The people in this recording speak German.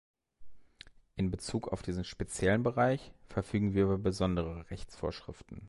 In Bezug auf diesen speziellen Bereich verfügen wir über besondere Rechtsvorschriften.